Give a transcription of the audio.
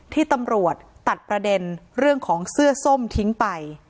ที่ตำรวจตัดประเด็นเรื่องของเสื้อส้มทิ้งไป